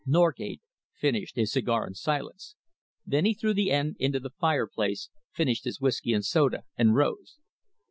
Norgate finished his cigar in silence. Then he threw the end into the fireplace, finished his whisky and soda, and rose.